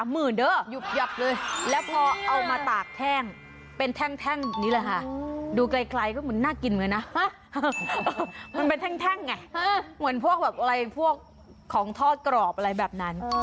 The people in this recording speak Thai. มันเป็นแท่งไงเหมือนพวกอะไรพวกของทอดกรอบอะไรแบบนั้น